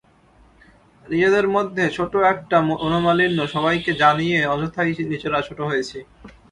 নিজেদের মধ্যে ছোট্ট একটা মনোমালিন্য সবাইকে জানিয়ে অযথাই নিজেরা ছোট হয়েছি।